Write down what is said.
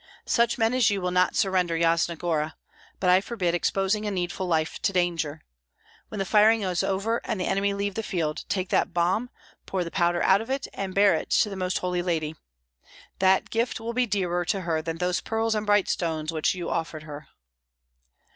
"Such men as you will not surrender Yasna Gora; but I forbid exposing a needful life to danger. When the firing is over and the enemy leave the field, take that bomb, pour the powder out of it, and bear it to the Most Holy Lady. That gift will be dearer to Her than those pearls and bright stones which you offered Her."